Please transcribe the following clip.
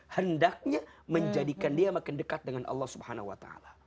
hendaknya menjadikan dia makin dekat dengan allah swt